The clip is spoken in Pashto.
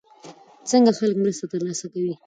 څنګه خلک مرسته ترلاسه کوي؟